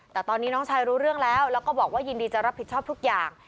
แต่ตอนนี้น้องชายรู้เรื่องแล้วแล้วก็บอกว่ายินดีจะรับผิดชอบทุกอย่าง